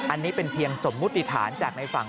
อันนี้เป็นเพียงสมมุติฐานจากในฝั่ง